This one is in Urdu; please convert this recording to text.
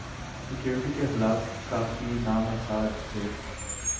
سکیورٹی کے حالات کافی نامساعد تھے